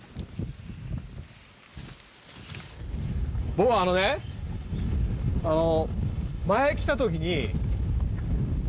僕はあのねあの。